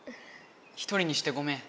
一人にしてごめん！